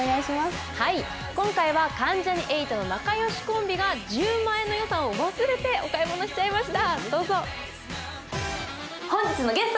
今回は関ジャニ∞の仲良しコンビが１０万円の予算を忘れて、お買い物しちゃいました。